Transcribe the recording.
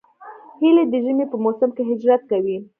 هیلۍ د ژمي په موسم کې هجرت کوي